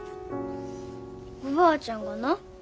おばあちゃんがな